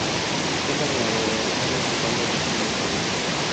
Cuenta con una delegación municipal de dicho municipio.